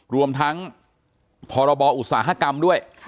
รวมทั้งพรบอุตสาหกรรมด้วย